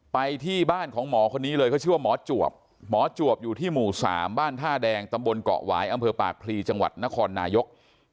แล้วก็ด้านของหมอคนนี้ในหมู่สามบ้านธ่าแดงตำบลเกาะวายอำเภอปากพรีจังหวัดนครนะยก